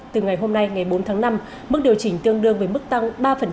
từ ngày hôm nay ngày bốn tháng năm mức điều chỉnh tương đương với mức tăng ba